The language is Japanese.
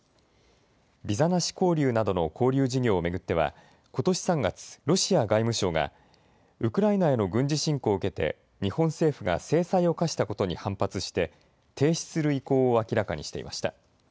ビザなし交流などの交流事業を巡ってはことし３月、ロシア外務省がウクライナへの軍事侵攻を受けて日本政府が制裁を科したことに反発して停止する意向を明らかにしていました。